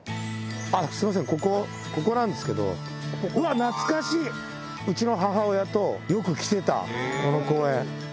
すみません、ここ、ここなんですけど、懐かしい、うちの母親とよく来てた、この公園。